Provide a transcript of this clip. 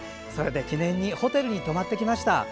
それで記念にホテルに泊まってきました。